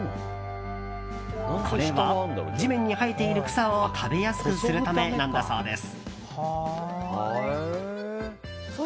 これは地面に生えている草を食べやすくするためなんだそうです。